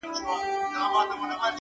که مي څوک په امیری شمېري امیر یم »!